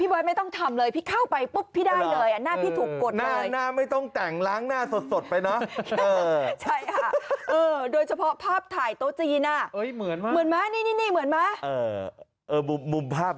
เบิร์ตไม่ต้องทำเลยเข้าไปปุ๊บพี่ได้เลยอ่ะ